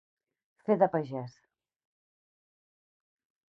Fer de pagès.